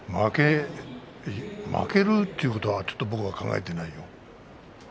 負けるということは僕は考えていないよ。